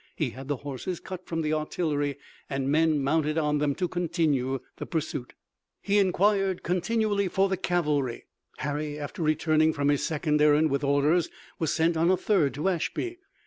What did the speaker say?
He had the horses cut from the artillery and men mounted on them to continue the pursuit. He inquired continually for the cavalry. Harry, after returning from his second errand with orders, was sent on a third to Ashby.